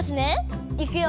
いくよ！